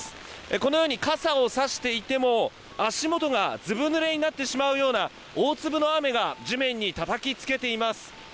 このように、傘をさしていても足元がずぶぬれになってしまうような大粒の雨が地面にたたきつけています。